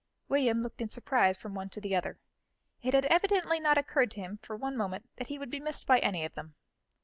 William looked in surprise from one to the other; it had evidently not occurred to him for one moment that he would be missed by any of them.